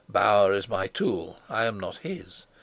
Bauer is my tool, I am not his.